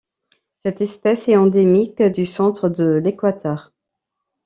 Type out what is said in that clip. Cette espèce est endémique du centre de l'Équateur.